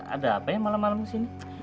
ada apa yang malam malam kesini